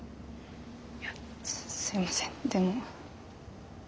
いやすいませんでも。